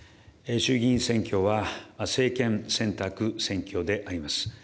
衆議院選挙は政権選択選挙であります。